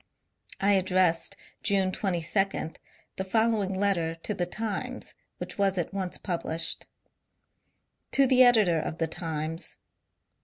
I addressed, June 22, the following letter to the ^ Times,'' which was at once published :— To the Editor of the Times.